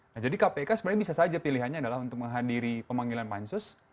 nah jadi kpk sebenarnya bisa saja pilihannya adalah untuk menghadiri pemanggilan pansus